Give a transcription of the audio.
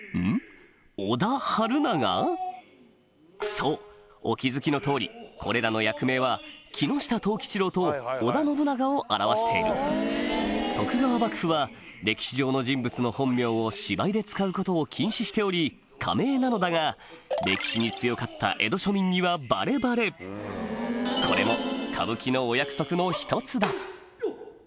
そうお気付きの通りこれらの役名はを表している徳川幕府は歴史上の人物の本名を芝居で使うことを禁止しており仮名なのだが歴史に強かったこれも歌舞伎のお約束の１つだ